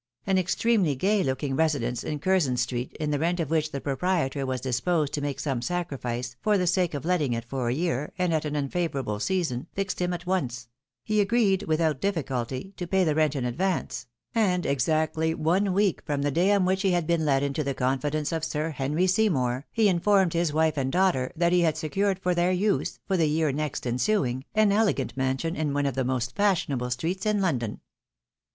An extremely gay looking residence in Curzon street, in the rent of which the proprietor was disposed to make MRS. o'donagough's elation. 253 some sacrifice, for the sake of letting it for a year, and at an unfavourable season, fixed him at once ; he agreed, without difficulty, to pay the rent in advance ; and exactly one week from the day on which he had been let into the confidence of Sir Henry Seymour, he informed his wife and daughter that he had secured for their use, for the year next ensiling, an elegant inansion in one of the most fashionable streets in London.